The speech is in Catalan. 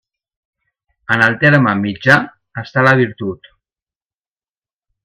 En el terme mitjà està la virtut.